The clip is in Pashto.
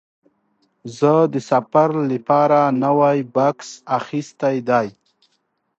زه د سفر لپاره نوی بکس اخیستی دی.